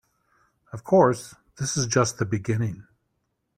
Of course, this is just the beginning.